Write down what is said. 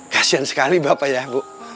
kasian sekali bapak ya bu